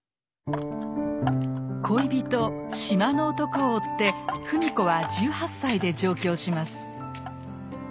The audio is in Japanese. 恋人「島の男」を追って芙美子は１８歳で上京します。